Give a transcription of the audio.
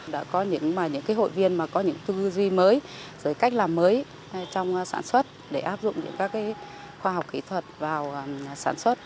đã có những hội viên có những tư duy mới rồi cách làm mới trong sản xuất để áp dụng những các khoa học kỹ thuật vào sản xuất